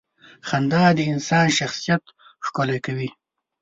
• خندا د انسان شخصیت ښکلې کوي.